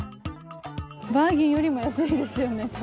バーゲンよりも安いですよね